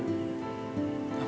kok lo diam